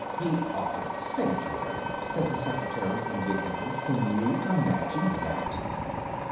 "He offered sanctuary," said the secretary indignantly. "Can you imagine that!"